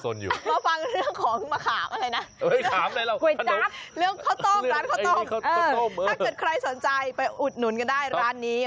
ถ้าเกิดใครสนใจไปอุดหนุนกันได้ร้านนี้